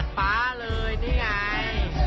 ดัดป๊าเลยนี่ไง